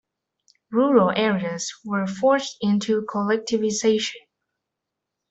Rural areas were forced into collectivisation.